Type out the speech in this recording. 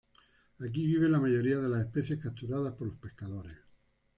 Aquí viven la mayoría de las especies capturadas por los pescadores.